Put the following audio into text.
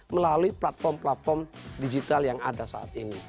melalui platform platform digital yang ada saat ini